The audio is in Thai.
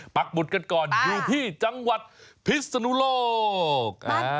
บุตรกันก่อนอยู่ที่จังหวัดพิศนุโลก